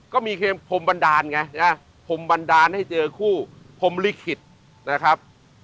ก็มีเพียงพรมบันดาลไงนะพรมบันดาลให้เจอคู่พรมลิขิตนะครับ